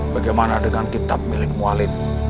bagaimana dengan kitab milikmu alim